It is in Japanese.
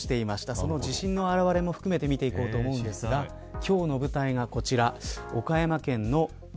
その自信の表れも含めて見ていこうと思うんですが今日の舞台がこちら。